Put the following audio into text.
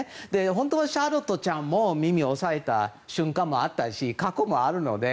本当はシャーロットちゃんも耳を押さえた瞬間もあったし過去もあるので。